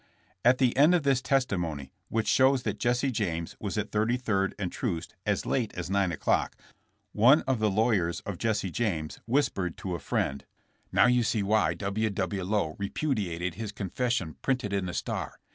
At the end of this testimony, which shows that Jesse James was at Thirty third and T roost as late as 9 o'clock, one of the lawyers of Jesse James whis pered to a friend: THK TRIAL FOR TRAIN ROBBERY. 177 Now you see why W. W. Lowe repudiated his confession printed in The Star.